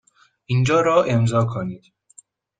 اینجا را امضا کنید.